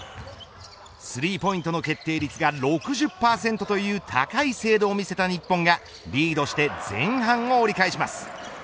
スリーポイントの決定率が６０％という高い精度を見せた日本がリードして前半を折り返します。